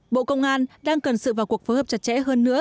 bộ công an đang cần sự vào cuộc phối hợp chặt chẽ hơn nữa